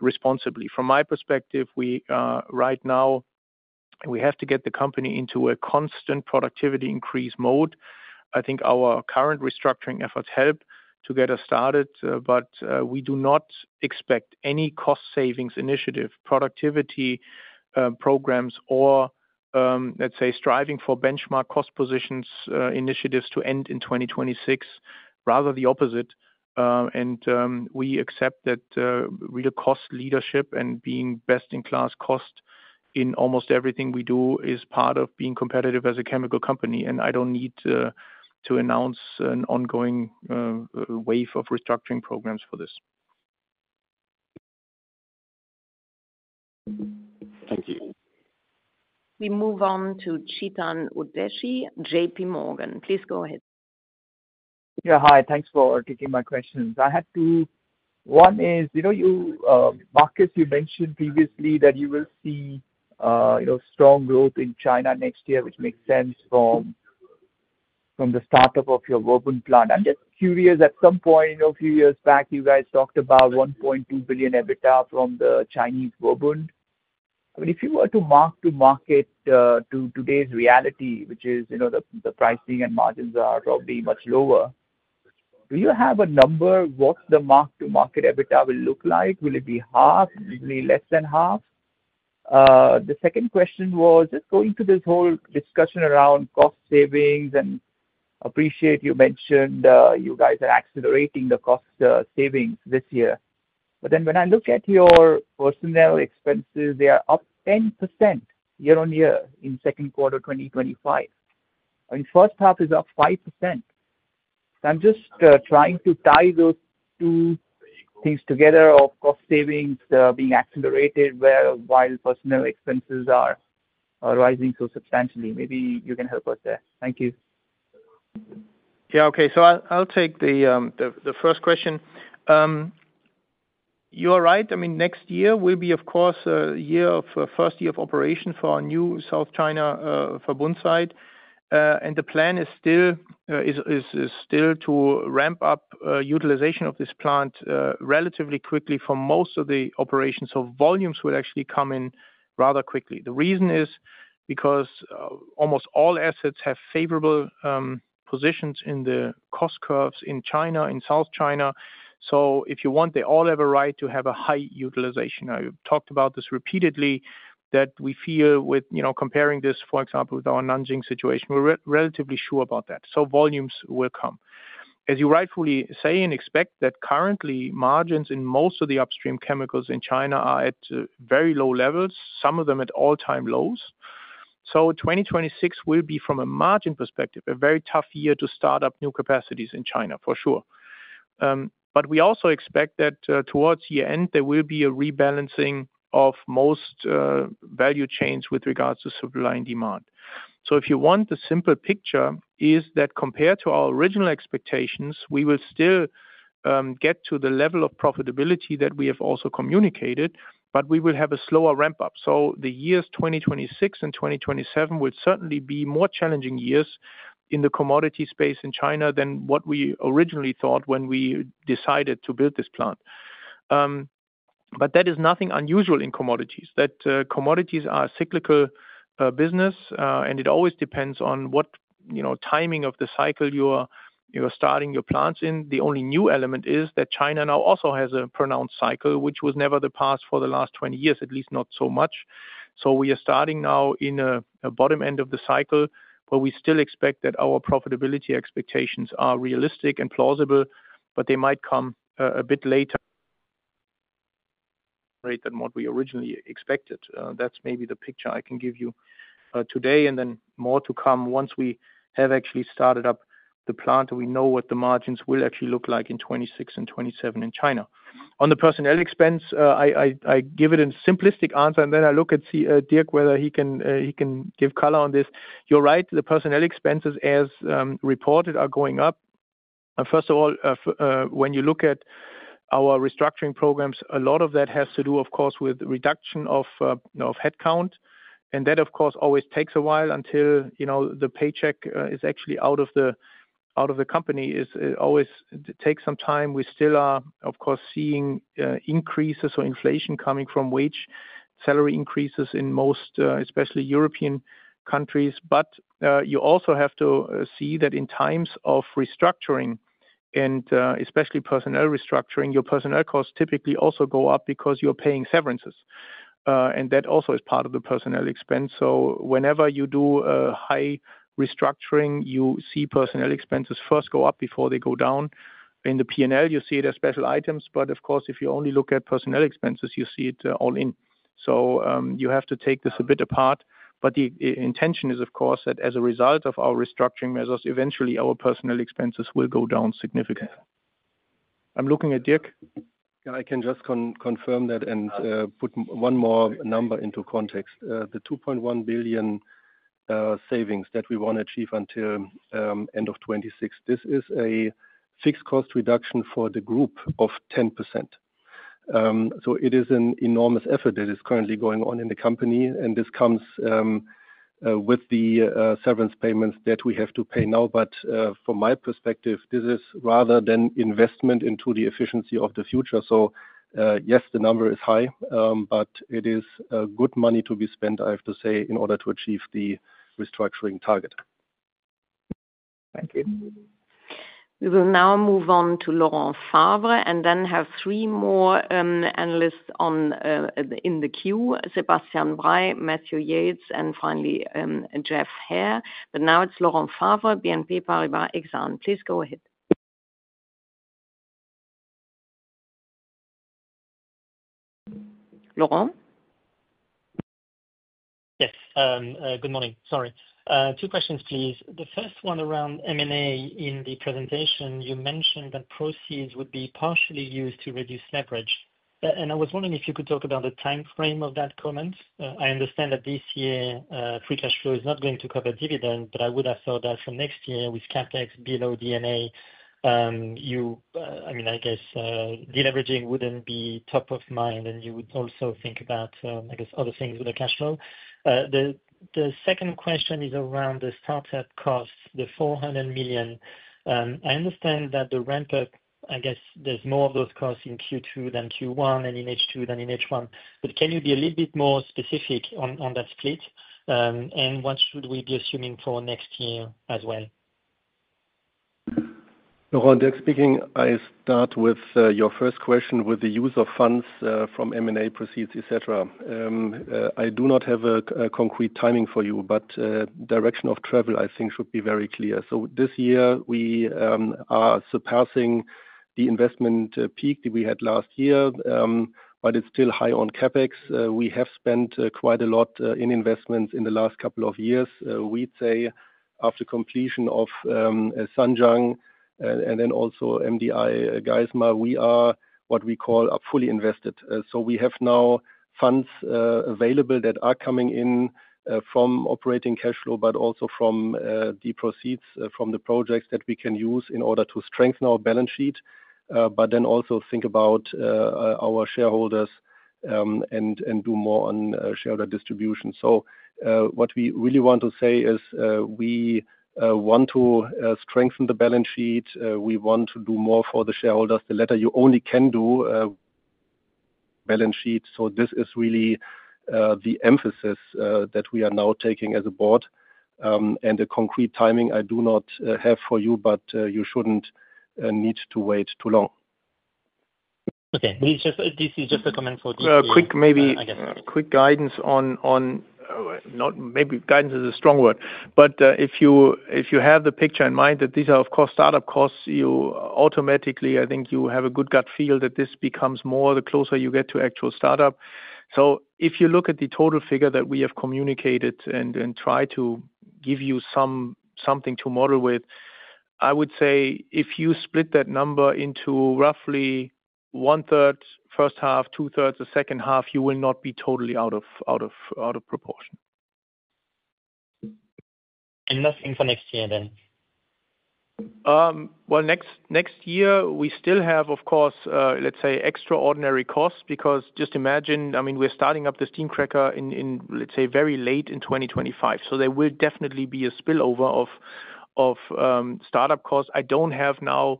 responsibly. From my perspective, right now, we have to get the company into a constant productivity increase mode. I think our current restructuring efforts help to get us started, but we do not expect any cost savings initiative, productivity programs, or, let's say, striving for benchmark cost positions initiatives to end in 2026. Rather the opposite. We accept that real cost leadership and being best in class cost in almost everything we do is part of being competitive as a chemical company. I do not need to announce an ongoing wave of restructuring programs for this. Thank you. We move on to Chetan Udeshi, JPMorgan. Please go ahead. Yeah, hi. Thanks for taking my questions. I had two. One is, Markus, you mentioned previously that you will see strong growth in China next year, which makes sense from the startup of your Verbund plant. I'm just curious, at some point, a few years back, you guys talked about 1.2 billion EBITDA from the Chinese Verbund. I mean, if you were to mark to market today's reality, which is the pricing and margins are probably much lower, do you have a number what the mark-to-market EBITDA will look like? Will it be half? Will it be less than half? The second question was just going to this whole discussion around cost savings. I appreciate you mentioned you guys are accelerating the cost savings this year. When I look at your personnel expenses, they are up 10% year on year in second quarter 2025. I mean, first half is up 5%. I'm just trying to tie those two things together of cost savings being accelerated while personnel expenses are rising so substantially. Maybe you can help us there. Thank you. Yeah, okay. I'll take the first question. You're right. Next year will be, of course, a first year of operation for our new South China Verbund site. The plan is still to ramp up utilization of this plant relatively quickly for most of the operations. Volumes will actually come in rather quickly. The reason is because almost all assets have favorable positions in the cost curves in China, in South China. If you want, they all have a right to have a high utilization. I talked about this repeatedly that we feel with comparing this, for example, with our Nanjing situation, we're relatively sure about that. Volumes will come. As you rightfully say and expect, currently, margins in most of the upstream chemicals in China are at very low levels, some of them at all-time lows. 2026 will be, from a margin perspective, a very tough year to start up new capacities in China, for sure. We also expect that towards year-end, there will be a rebalancing of most value chains with regards to supply and demand. If you want the simple picture, compared to our original expectations, we will still get to the level of profitability that we have also communicated, but we will have a slower ramp-up. The years 2026 and 2027 will certainly be more challenging years in the commodity space in China than what we originally thought when we decided to build this plant. That is nothing unusual in commodities. Commodities are a cyclical business, and it always depends on what timing of the cycle you're starting your plants in. The only new element is that China now also has a pronounced cycle, which was never the case for the last 20 years, at least not so much. We are starting now in a bottom end of the cycle where we still expect that our profitability expectations are realistic and plausible, but they might come a bit later, greater than what we originally expected. That's maybe the picture I can give you today and then more to come once we have actually started up the plant and we know what the margins will actually look like in 2026 and 2027 in China. On the personnel expense, I give it a simplistic answer, and then I look at Dirk whether he can give color on this. You're right. The personnel expenses, as reported, are going up. First of all, when you look at our restructuring programs, a lot of that has to do, of course, with reduction of headcount. That, of course, always takes a while until the paycheck is actually out of the company. It always takes some time. We still are, of course, seeing increases or inflation coming from wage, salary increases in most, especially European countries. You also have to see that in times of restructuring, and especially personnel restructuring, your personnel costs typically also go up because you're paying severances. That also is part of the personnel expense. Whenever you do high restructuring, you see personnel expenses first go up before they go down. In the P&L, you see it as special items. Of course, if you only look at personnel expenses, you see it all in. You have to take this a bit apart. The intention is, of course, that as a result of our restructuring measures, eventually our personnel expenses will go down significantly. I'm looking at Dirk. Yeah, I can just confirm that and put one more number into context. The 2.1 billion savings that we want to achieve until end of 2026, this is a fixed cost reduction for the group of 10%. It is an enormous effort that is currently going on in the company. This comes with the severance payments that we have to pay now. From my perspective, this is rather an investment into the efficiency of the future. Yes, the number is high, but it is good money to be spent, I have to say, in order to achieve the restructuring target. Thank you. We will now move on to Laurent Favre and then have three more analysts in the queue: Sebastian Burbank, Matthew Yates, and finally Jeff Heard. It is now Laurent Favre, BNP Paribas, Exane. Please go ahead. Laurent? Yes. Good morning. Sorry. Two questions, please. The first one around M&A in the presentation, you mentioned that proceeds would be partially used to reduce leverage. I was wondering if you could talk about the timeframe of that comment. I understand that this year, free cash flow is not going to cover dividends, but I would have thought that for next year with CapEx below D&A. I mean, I guess deleveraging would not be top of mind, and you would also think about, I guess, other things with the cash flow. The second question is around the startup costs, the 400 million. I understand that the ramp-up, I guess there are more of those costs in Q2 than Q1 and in H2 than in H1. Can you be a little bit more specific on that split? What should we be assuming for next year as well? Laurent, Dirk speaking. I start with your first question with the use of funds from M&A proceeds, etc. I do not have a concrete timing for you, but direction of travel, I think, should be very clear. This year, we are surpassing the investment peak that we had last year, but it is still high on CapEx. We have spent quite a lot in investments in the last couple of years. I would say after completion of Sung Jin and then also MDI Geismer, we are what we call fully invested. We have now funds available that are coming in from operating cash flow, but also from the proceeds from the projects that we can use in order to strengthen our balance sheet, but then also think about our shareholders and do more on shareholder distribution. What we really want to say is we want to strengthen the balance sheet. We want to do more for the shareholders. The latter you only can do if you have a strong balance sheet. This is really the emphasis that we are now taking as a board. The concrete timing, I do not have for you, but you should not need to wait too long. Okay. This is just a comment for Dirk. Quick guidance on. Maybe guidance is a strong word. If you have the picture in mind that these are, of course, startup costs, you automatically, I think you have a good gut feel that this becomes more the closer you get to actual startup. If you look at the total figure that we have communicated and try to give you something to model with, I would say if you split that number into roughly one-third, first half, two-thirds, the second half, you will not be totally out of proportion. Nothing for next year then? Next year, we still have, of course, let's say, extraordinary costs because just imagine, I mean, we're starting up the steam cracker in, let's say, very late in 2025. There will definitely be a spillover of startup costs. I don't have now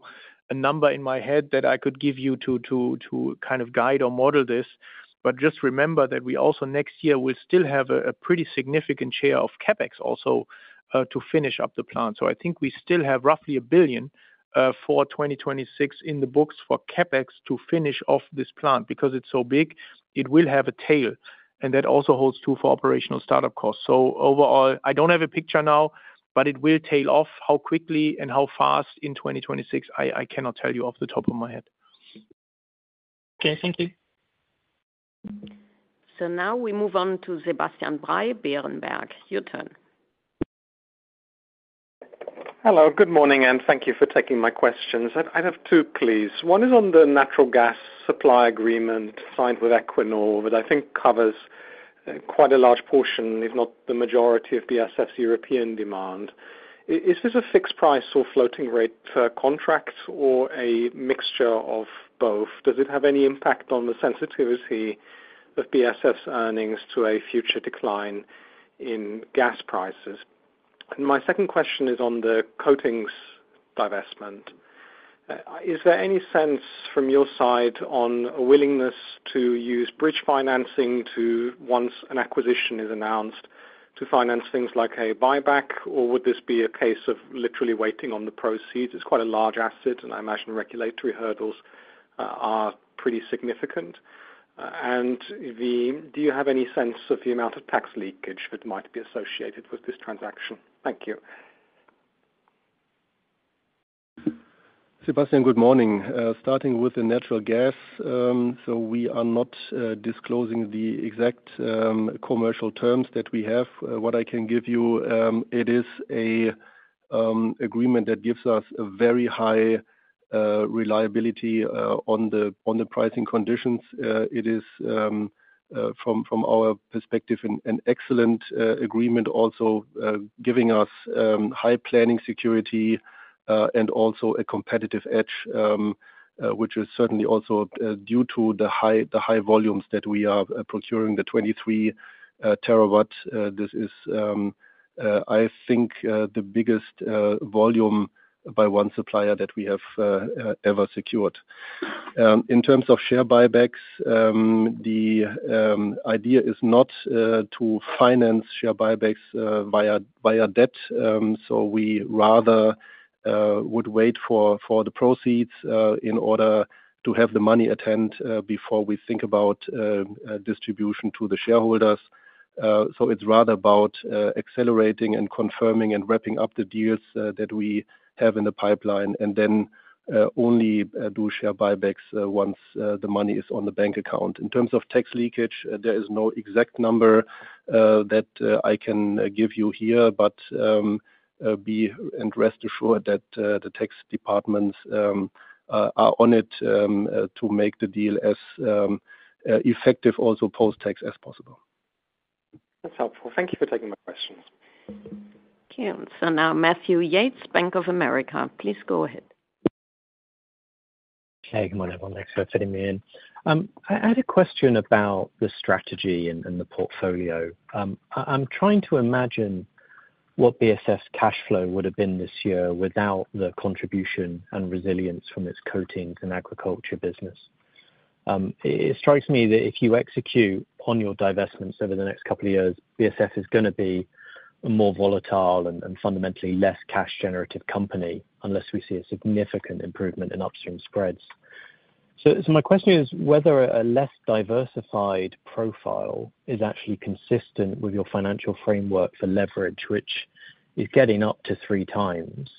a number in my head that I could give you to kind of guide or model this. Just remember that we also next year will still have a pretty significant share of CapEx also to finish up the plant. I think we still have roughly 1 billion for 2026 in the books for CapEx to finish off this plant because it's so big. It will have a tail. That also holds true for operational startup costs. Overall, I don't have a picture now, but it will tail off how quickly and how fast in 2026, I cannot tell you off the top of my head. Okay. Thank you. Now we move on to Sebastian Burbank, Berenberg. Your turn. Hello. Good morning, and thank you for taking my questions. I have two please. One is on the natural gas supply agreement signed with Equinor that I think covers quite a large portion, if not the majority, of BASF's European demand. Is this a fixed price or floating rate for contracts or a mixture of both? Does it have any impact on the sensitivity of BASF's earnings to a future decline in gas prices? My second question is on the coatings divestment. Is there any sense from your side on a willingness to use bridge financing once an acquisition is announced to finance things like a buyback, or would this be a case of literally waiting on the proceeds? It is quite a large asset, and I imagine regulatory hurdles are pretty significant. Do you have any sense of the amount of tax leakage that might be associated with this transaction? Thank you. Sebastian, good morning. Starting with the natural gas, we are not disclosing the exact commercial terms that we have. What I can give you, it is an agreement that gives us a very high reliability on the pricing conditions. It is, from our perspective, an excellent agreement, also giving us high planning security and also a competitive edge, which is certainly also due to the high volumes that we are procuring, the 23-terawatt. This is, I think, the biggest volume by one supplier that we have ever secured. In terms of share buybacks, the idea is not to finance share buybacks via debt. We rather would wait for the proceeds in order to have the money attend before we think about distribution to the shareholders. It is rather about accelerating and confirming and wrapping up the deals that we have in the pipeline and then only do share buybacks once the money is on the bank account. In terms of tax leakage, there is no exact number that I can give you here, but be and rest assured that the tax departments are on it to make the deal as effective also post-tax as possible. That's helpful. Thank you for taking my questions. Thank you. Now, Matthew Yates, Bank of America. Please go ahead. Hey, good morning, everyone. Thanks for letting me in. I had a question about the strategy and the portfolio. I'm trying to imagine what BASF's cash flow would have been this year without the contribution and resilience from its coatings and agriculture business. It strikes me that if you execute on your divestments over the next couple of years, BASF is going to be a more volatile and fundamentally less cash-generative company unless we see a significant improvement in upstream spreads. My question is whether a less diversified profile is actually consistent with your financial framework for leverage, which is getting up to three times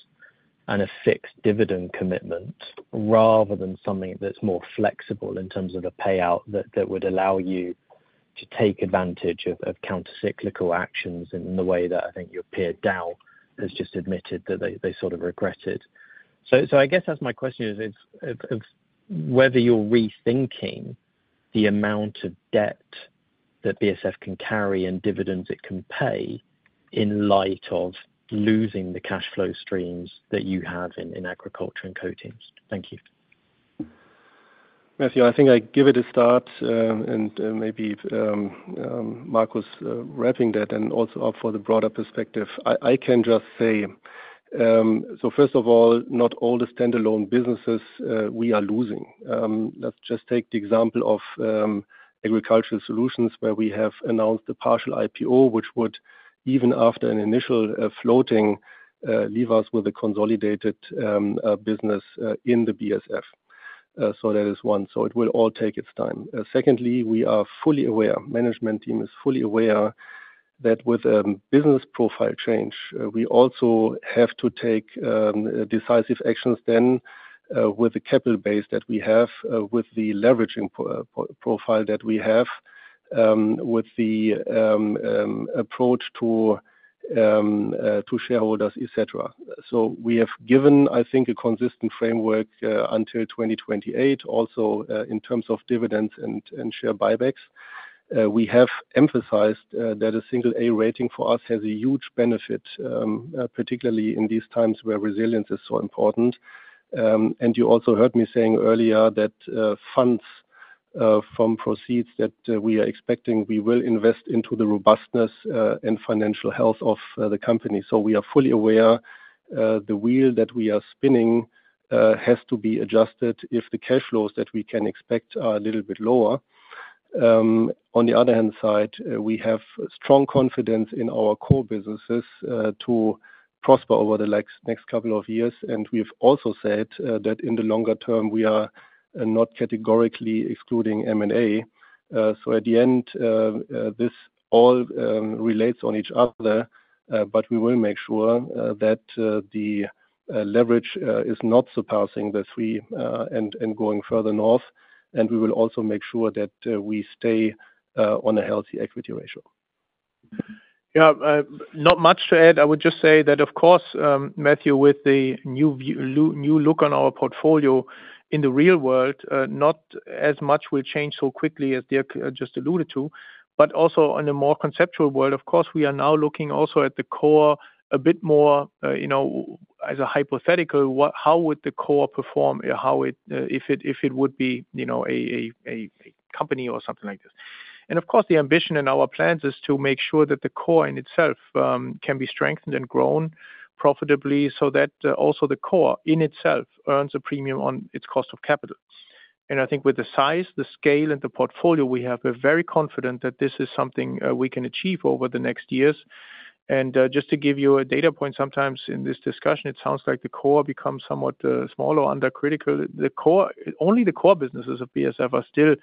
and a fixed dividend commitment rather than something that's more flexible in terms of a payout that would allow you to take advantage of countercyclical actions in the way that I think your peer, Dow, has just admitted that they sort of regretted. I guess my question is whether you're rethinking the amount of debt that BASF can carry and dividends it can pay in light of losing the cash flow streams that you have in agriculture and coatings. Thank you. Matthew, I think I give it a start, and maybe Markus was wrapping that and also up for the broader perspective. I can just say. First of all, not all the standalone businesses we are losing. Let's just take the example of Agricultural Solutions, where we have announced a partial IPO, which would, even after an initial floating, leave us with a consolidated business in BASF. That is one. It will all take its time. Secondly, we are fully aware. Management team is fully aware that with a business profile change, we also have to take decisive actions then with the capital base that we have, with the leveraging profile that we have, with the approach to shareholders, etc. We have given, I think, a consistent framework until 2028. Also, in terms of dividends and share buybacks, we have emphasized that a single A rating for us has a huge benefit, particularly in these times where resilience is so important. You also heard me saying earlier that funds from proceeds that we are expecting, we will invest into the robustness and financial health of the company. We are fully aware. The wheel that we are spinning has to be adjusted if the cash flows that we can expect are a little bit lower. On the other hand side, we have strong confidence in our core businesses to prosper over the next couple of years. We have also said that in the longer term, we are not categorically excluding M&A. At the end. This all relates on each other, but we will make sure that the leverage is not surpassing the three and going further north. We will also make sure that we stay on a healthy equity ratio. Yeah. Not much to add. I would just say that, of course, Matthew, with the new look on our portfolio in the real world, not as much will change so quickly as Dirk just alluded to. Also, in a more conceptual world, of course, we are now looking also at the core a bit more. As a hypothetical, how would the core perform if it would be a company or something like this? Of course, the ambition in our plans is to make sure that the core in itself can be strengthened and grown profitably so that also the core in itself earns a premium on its cost of capital. I think with the size, the scale, and the portfolio we have, we're very confident that this is something we can achieve over the next years. Just to give you a data point, sometimes in this discussion, it sounds like the core becomes somewhat small or undercritical. Only the core businesses of BASF are still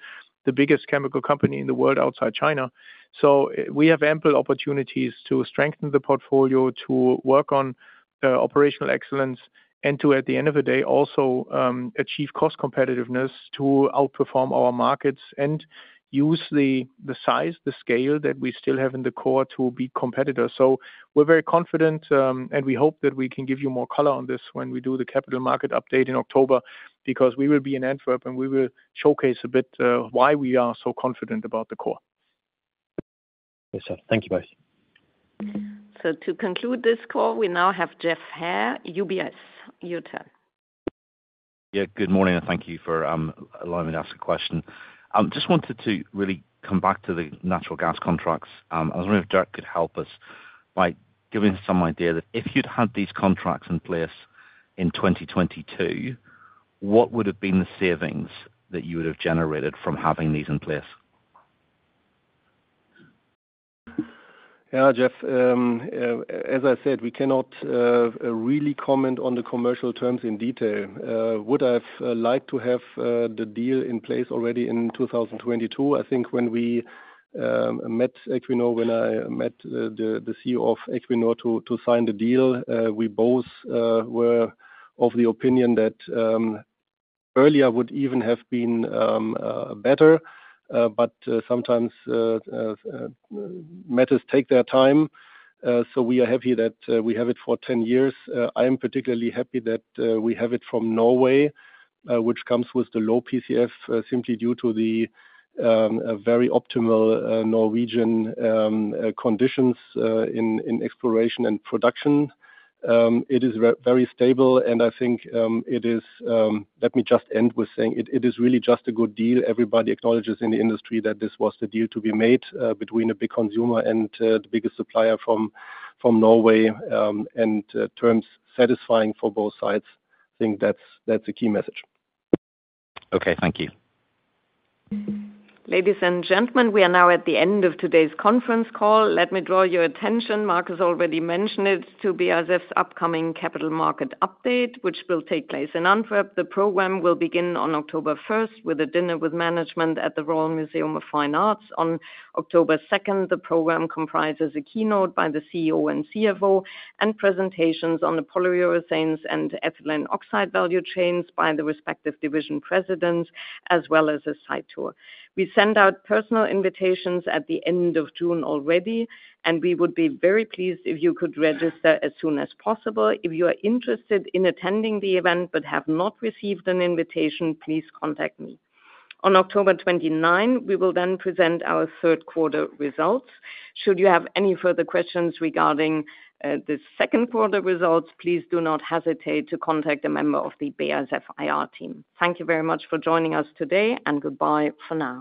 the biggest chemical company in the world outside China. We have ample opportunities to strengthen the portfolio, to work on operational excellence, and to, at the end of the day, also achieve cost competitiveness to outperform our markets and use the size, the scale that we still have in the core to be competitors. We're very confident, and we hope that we can give you more color on this when we do the capital market update in October because we will be in Antwerp and we will showcase a bit why we are so confident about the core. Yes, sir. Thank you both. To conclude this call, we now have Jeff Heard, UBS. Your turn. Yeah. Good morning and thank you for allowing me to ask a question. I just wanted to really come back to the natural gas contracts. I was wondering if Dirk could help us by giving us some idea that if you'd had these contracts in place in 2022, what would have been the savings that you would have generated from having these in place? Yeah, Jeff. As I said, we cannot really comment on the commercial terms in detail. Would I have liked to have the deal in place already in 2022? I think when we met Equinor, when I met the CEO of Equinor to sign the deal, we both were of the opinion that earlier would even have been better. Sometimes matters take their time. We are happy that we have it for 10 years. I am particularly happy that we have it from Norway, which comes with the low PCF simply due to the very optimal Norwegian conditions in exploration and production. It is very stable, and I think it is—let me just end with saying it is really just a good deal. Everybody acknowledges in the industry that this was the deal to be made between a big consumer and the biggest supplier from Norway, and terms satisfying for both sides. I think that's a key message. Okay. Thank you. Ladies and gentlemen, we are now at the end of today's conference call. Let me draw your attention, Markus has already mentioned it, to BASF's upcoming capital market update, which will take place in Antwerp. The program will begin on October 1st with a dinner with management at the Royal Museum of Fine Arts. On October 2nd, the program comprises a keynote by the CEO and CFO and presentations on the polyurethanes and ethylene oxide value chains by the respective division presidents, as well as a site tour. We sent out personal invitations at the end of June already, and we would be very pleased if you could register as soon as possible. If you are interested in attending the event but have not received an invitation, please contact me. On October 29, we will then present our third quarter results. Should you have any further questions regarding the second quarter results, please do not hesitate to contact a member of the BASF IR team. Thank you very much for joining us today, and goodbye for now.